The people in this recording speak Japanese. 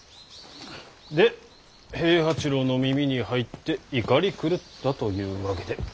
で平八郎の耳に入って怒り狂ったという訳で。